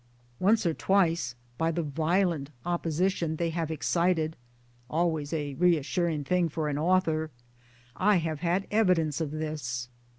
Once or twice, by the violent opposition they have excited (always a reassuring thing for an author), I have had evidence of this.